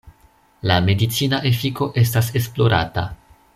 La medicina efiko estas esplorata.